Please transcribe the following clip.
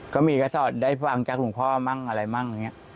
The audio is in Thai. ก็มีก็สอดได้ฟังจากหลวงพ่อมั่งอะไรมั่งอย่างนี้